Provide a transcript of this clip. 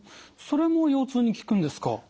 それも腰痛に効くんですか。